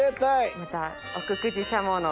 また奥久慈しゃもの。